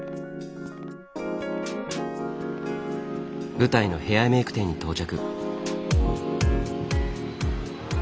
舞台のヘアメイク店に到着。